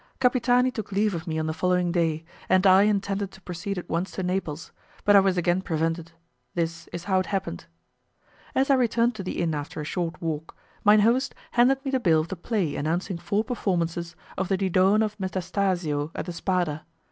Capitani took leave of me on the following day, and I intended to proceed at once to Naples, but I was again prevented; this is how it happened. As I returned to the inn after a short walk, mine host handed me the bill of the play announcing four performances of the Didone of Metastasio at the Spada.